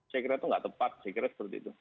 saya kira itu nggak tepat saya kira seperti itu